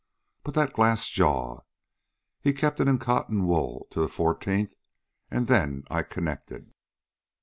But that glass jaw! He kept it in cotton wool till the fourteenth an' then I connected.